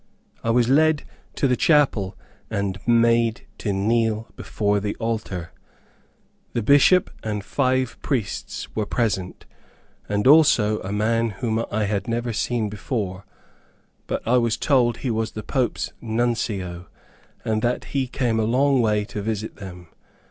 I was led into the chapel and made to kneel before the altar. The bishop and five priests were present, and also, a man whom I had never seen before, but I was told he was the Pope's Nuncio, and that he came a long way to visit them.